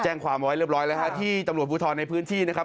แจ้งความไว้เรียบร้อยแล้วฮะที่ตำรวจภูทรในพื้นที่นะครับ